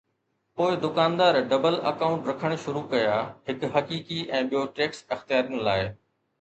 پوءِ دڪاندار double account رکڻ شروع ڪيا، هڪ حقيقي ۽ ٻيو ٽيڪس اختيارين لاءِ.